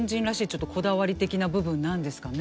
ちょっとこだわり的な部分なんですかね。